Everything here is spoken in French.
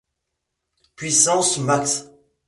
Puissance max.